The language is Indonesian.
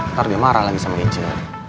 ntar dia marah lagi sama anchor